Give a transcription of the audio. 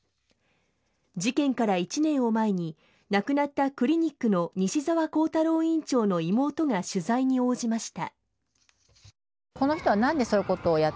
事件から１年を前に亡くなったクリニックの西澤弘太郎院長の妹が取材に応じました。